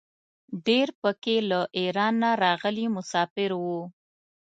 ډېر په کې له ایران نه راغلي مساپر وو.